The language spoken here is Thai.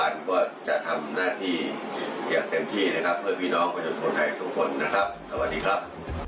สวัสดีครับ